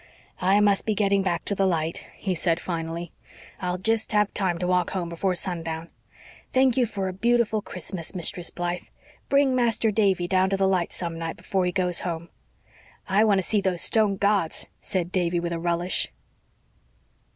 "I must be getting back to the light," he said finally. "I'll jest have time to walk home before sundown. Thank you for a beautiful Christmas, Mistress Blythe. Bring Master Davy down to the light some night before he goes home. "I want to see those stone gods," said Davy with a relish.